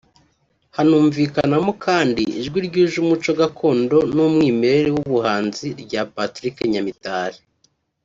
Hanumvikanamo kandi ijwi ryuje umuco gakondo n’umwimerere w’ubuhanzi rya Patrick Nyamitari